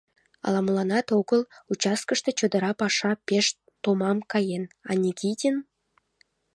Ала-моланат огыл: участкыште чодыра паша пеш томам каен, а Никитин...